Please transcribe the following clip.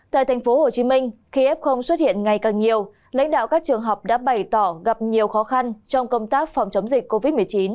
tại tp hcm khi f xuất hiện ngày càng nhiều lãnh đạo các trường học đã bày tỏ gặp nhiều khó khăn trong công tác phòng chống dịch covid một mươi chín